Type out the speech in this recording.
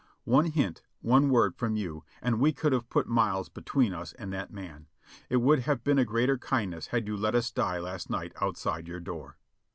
One hint, one word from you and we could have put miles between us and that man. It would have been a greater kindness had you let us die last night outside your door."